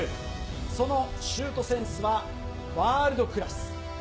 そのシュートセンスはワールドクラス。